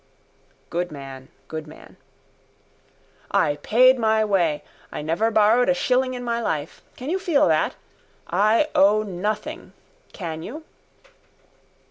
_ Good man, good man. —I paid my way. I never borrowed a shilling in my life. Can you feel that? I owe nothing. Can you?